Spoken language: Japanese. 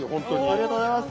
ありがとうございます。